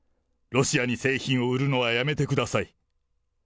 ロシアに製品を売るのはやめてください。